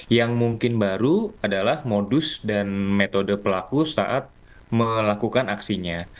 yang mungkin baru adalah modus dan metode pelaku saat melakukan aksinya